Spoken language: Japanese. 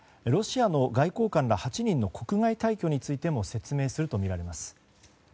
ロシアの外交官ら８人の国外退去についても説明するとみられます。